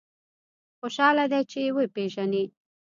خوشاله دی چې وپېژني.